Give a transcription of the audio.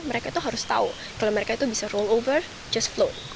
mereka itu harus tahu kalau mereka itu bisa rule over just flow